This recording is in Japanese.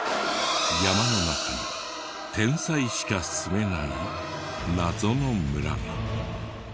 山の中に天才しか住めない謎の村が。